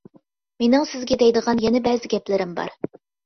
-مېنىڭ سىزگە دەيدىغان يەنە بەزى گەپلىرىم بار.